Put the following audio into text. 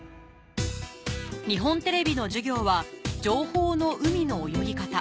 日本テレビの授業は「情報の海の泳ぎ方」